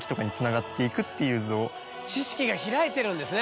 知識が開いてるんですね。